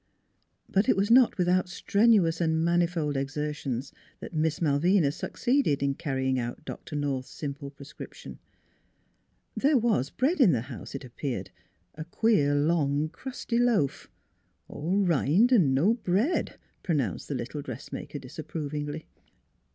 " But it was not without strenuous and manifold exertions that Miss Malvina succeeded in carrying out Doctor North's simple prescription. There was bread in the house, it appeared, a queer long crusty loaf. " All rind an' no bread," pronounced the little dressmaker disapprovingly.